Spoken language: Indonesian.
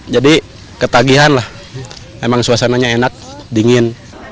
jadi ketagihan lah memang suasananya enak dingin